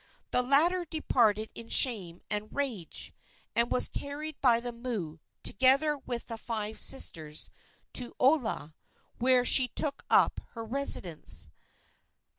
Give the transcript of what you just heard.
The latter departed in shame and rage, and was carried by the moo, together with the five sisters, to Olaa, where she took up her residence.